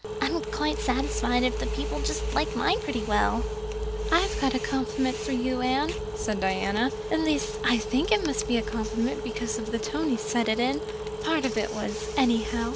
I'm quite satisfied if the people just liked mine pretty well." "I've a compliment for you, Anne," said Diana. "At least I think it must be a compliment because of the tone he said it in. Part of it was anyhow.